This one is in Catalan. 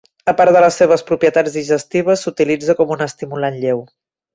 A part de les seves propietats digestives, s'utilitza com un estimulant lleu.